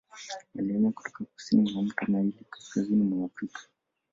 Walihamia kutoka kusini mwa mto Naili kaskazini mwa Afrika